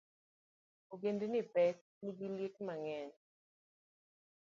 Ongedni pek nigi liet mang'eny